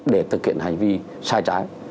để thực hiện hành vi sai trái